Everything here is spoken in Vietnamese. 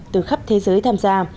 từ khắp thế giới tham gia